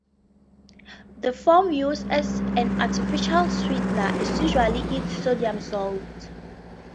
The form used as an artificial sweetener is usually its sodium salt.